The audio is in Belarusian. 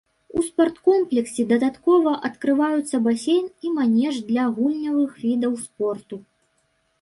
У спарткомплексе дадаткова адкрываюцца басейн і манеж для гульнявых відаў спорту.